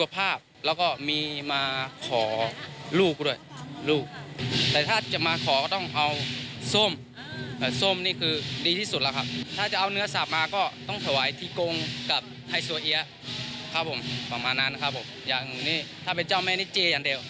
ประมาณนั้นครับผมอย่างนี้ถ้าเป็นเจ้าแม่นิเจอย่างเดียว